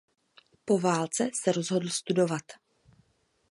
Po válce se rozhodl studovat.